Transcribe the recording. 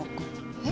えっ？